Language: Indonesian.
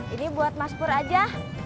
ini buat mas pur aja